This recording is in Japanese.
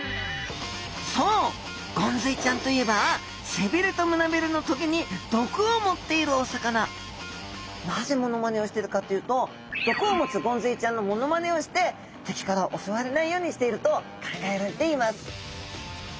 そうゴンズイちゃんといえば背びれと胸びれのトゲに毒をもっているお魚なぜモノマネをしてるかというと毒をもつゴンズイちゃんのモノマネをして敵から襲われないようにしていると考えられています。